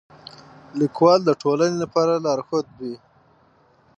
لیکوال د ټولنې لپاره لارښود وي.